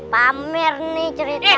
pamer nih cerita